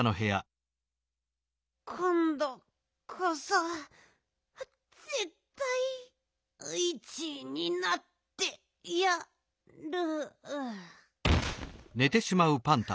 こんどこそぜったい１いになってやる。